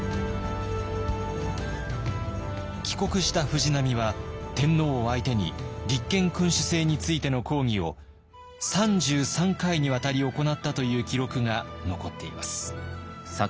帰国した藤波は天皇を相手に立憲君主制についての講義を３３回にわたり行ったという記録が残っています。